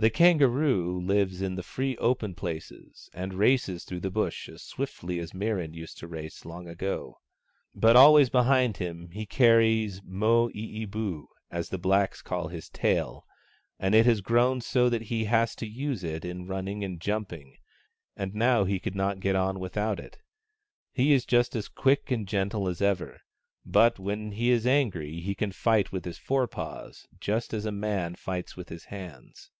The Kangaroo lives in the free open places, and races through the Bush as swiftly as Mirran used to race long ago. But always behind him he carries Moo ee boo, as the blacks call his tail, and it has grown so that he has to use it in running and jumping, and now he could not get on without it. He is just as quick and gentle as ever, but when he is angry he can light with his forepaws, just as a man fights with his hands.